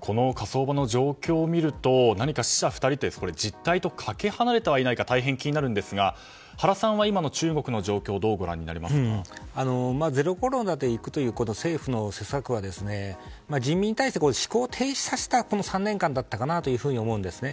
この火葬場の状況を見ると何か、死者２人って実態とかけ離れていないか大変気になるんですが原さんは今の中国の状況ゼロコロナという政府の施策は、人民に対して思考停止させたこの３年間だったかなと思うんですね。